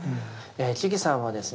智さんはですね